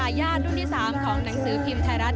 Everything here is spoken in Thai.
เป็นทายาทรุ่นที่๓ของหนังสือพิมพ์ไทยรัฐ